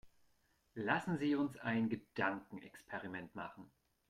Lassen Sie uns ein Gedankenexperiment machen.